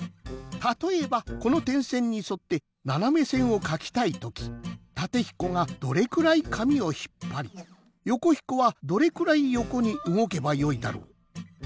たとえばこのてんせんにそってななめせんをかきたいときタテひこがどれくらい紙をひっぱりヨコひこはどれくらいよこにうごけばよいだろう？